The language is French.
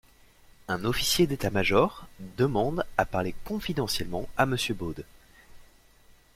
Un officier d'état-major demande à parler confidentiellement à monsieur Baude!